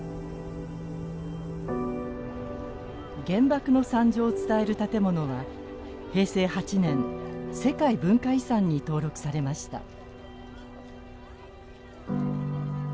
原爆の惨状を伝える建物は平成８年世界文化遺産に登録されました。